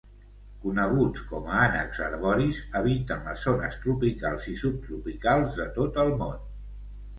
Coneguts com a ànecs arboris, habiten les zones tropicals i subtropicals de tot el món.